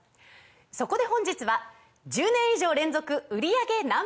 そこで本日は１０年以上連続売り上げＮｏ．１